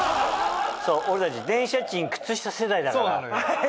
そう俺たち電車賃靴下世代だから。